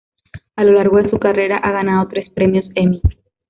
A lo largo de su carrera ha ganado tres premios Emmy.